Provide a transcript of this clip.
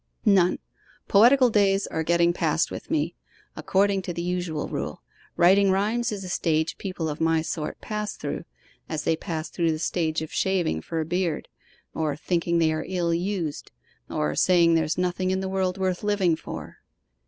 'None. Poetical days are getting past with me, according to the usual rule. Writing rhymes is a stage people of my sort pass through, as they pass through the stage of shaving for a beard, or thinking they are ill used, or saying there's nothing in the world worth living for.